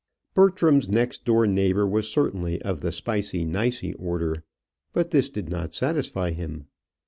Bertram's next door neighbour was certainly of the nicy spicy order; but this did not satisfy him.